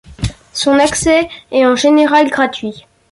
Son accès est, en général, gratuit.